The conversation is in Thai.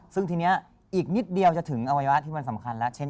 ซึ่งทีนี้อีกนิดเดียวจะถึงอวัยวะที่มันสำคัญแล้วเช่น